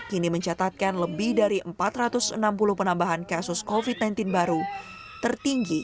kini mencatatkan lebih dari empat ratus enam puluh penambahan kasus kofi tentin baru tertinggi dalam